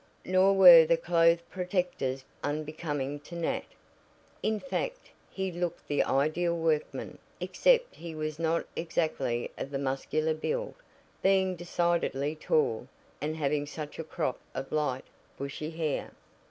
Nor were the clothes protectors unbecoming to Nat. In fact, he looked the ideal workman, except he was not exactly of the muscular build, being decidedly tall, and having such a crop of light, bushy hair.